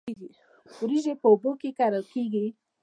وریجې په اوبو کې کرل کیږي